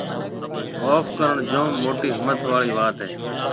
معاف ڪرڻ جوم موٽِي هِمٿ آݪِي وات هيَ۔